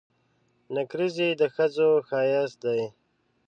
نکریزي د ښځو ښایست دي.